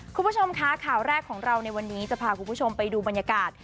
คุณผู้ชมคะข่าวแรกของเราในวันนี้จะพาคุณผู้ชมไปดูบรรยากาศ